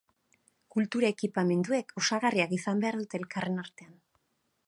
Kultura ekipamenduek osagarriak izan behar dute elkarren artean.